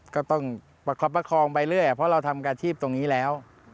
ก็ต้องประคับประคองไปเรื่อยเพราะเราทำอาชีพตรงนี้แล้ว